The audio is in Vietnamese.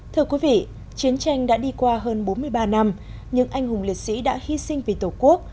thưa quý vị chiến tranh đã đi qua hơn bốn mươi ba năm nhưng anh hùng liệt sĩ đã hy sinh vì tổ quốc